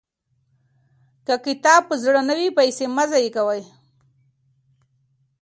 که کتاب په زړه نه وي، پیسې مه ضایع کوئ.